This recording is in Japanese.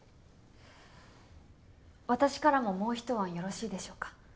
私からももう１案よろしいでしょうか？